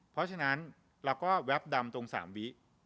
เพราะฉะนั้นเราก็แวบดำตรง๓วิ